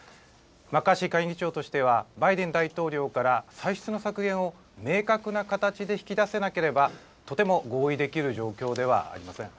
マッカーシー下院議長としては、バイデン大統領から歳出の削減を明確な形で引き出せなければ、とても合意できる状況ではありません。